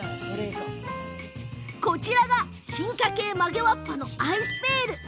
こちらが進化系曲げわっぱのアイスペール。